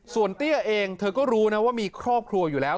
ส่วนเตี้ยเองเธอก็รู้นะว่ามีครอบครัวอยู่แล้ว